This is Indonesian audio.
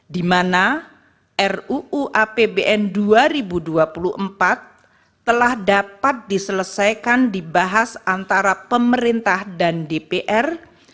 di mana ruu apbn dua ribu dua puluh empat telah dapat diselesaikan dibahas antara pemerintah dan dpr